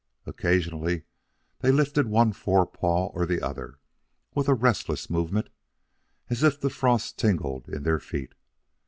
Occasionally they lifted one fore paw or the other, with a restless movement, as if the frost tingled in their feet.